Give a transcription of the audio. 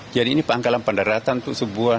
jadi ini pengangkalan penderatan itu sebuah